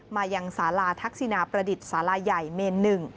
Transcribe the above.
มายังสาราทักษินาประดิษฐ์สาลาใหญ่เมน๑